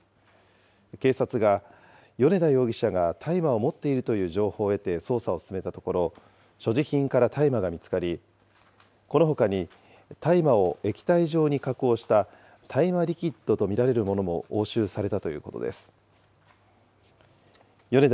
警察が米田容疑者が大麻を持っているという情報を得て捜査を進めたところ、所持品から大麻が見つかり、このほかに大麻を液体状に加工した、大麻リキッドと見られるものも押収されたということです。